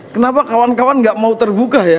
kenapa kawan kawan gak mau terbuka ya